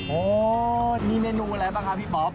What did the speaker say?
โอ้มีเมนูอะไรบ้างครับพี่ป๊อป